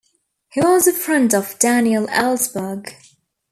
He was a friend of Daniel Ellsberg.